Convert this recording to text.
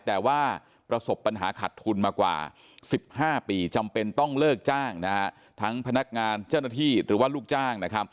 แต่ว่าประสบปัญหาขัดทุนมากว่า๑๕ปีจำเป็นต้องเลิกจ้างทั้งพนักงานเจ้าหน้าที่หรือว่าลูกจ้าง